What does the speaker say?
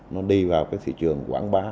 nó đi vào cái thị trường quảng bá